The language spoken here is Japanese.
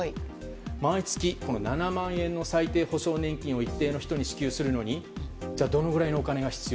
毎月７万円の最低保障年金を一定の人に支給するのにどのくらいのお金が必要？